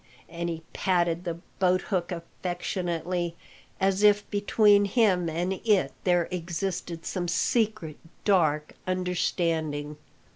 and he patted the boathook affectionately, as if between him and it there existed some secret, dark understanding.